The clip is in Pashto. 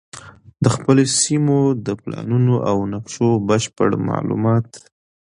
د خپلو سیمو د پلانونو او نقشو بشپړ معلومات